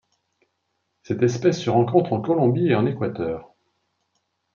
Cette espèce se rencontre en Colombie et en Équateur.